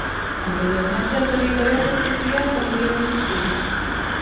Anteriormente el territorio se extendía hasta el río Misisipi.